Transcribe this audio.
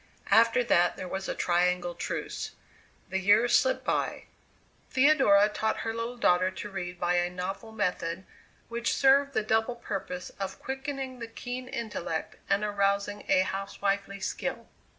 After that there was a triangle truce. The years slipped by. Theodora taught her little daughter to read by a novel method which served the double purpose of quickening the keen intellect and arousing a housewifely skill.